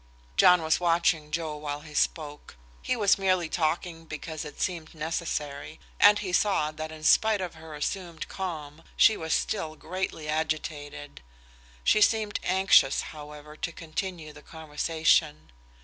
John was watching Joe while he spoke. He was merely talking because it seemed necessary, and he saw that in spite of her assumed calm she was still greatly agitated. She seemed anxious, however, to continue the conversation.